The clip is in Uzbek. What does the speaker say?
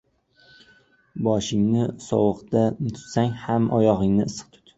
• Boshingni sovuqda tutsang ham oyog‘ingni issiq tut.